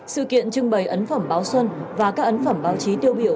sự kiện trưng bày ấn phẩm báo xuân và các ấn phẩm báo chí tiêu biểu